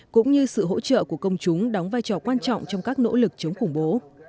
cũng như sự hỗ trợ của công chúng đóng vai trò quan trọng trong các nỗ lực chống khủng bố